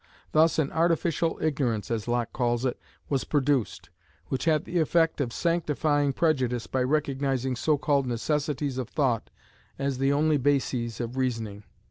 Thus an 'artificial ignorance,' as Locke calls it, was produced, which had the effect of sanctifying prejudice by recognizing so called necessities of thought as the only bases of reasoning.